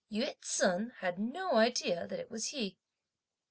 Yü ts'un had had no idea that it was he.